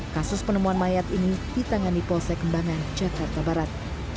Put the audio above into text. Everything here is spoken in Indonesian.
kasus penemuan mayat ini ditangani polsek kembangan jakarta barat